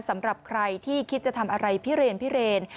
สำหรับใครที่คิดจะทำอะไรพิเรนพิเรน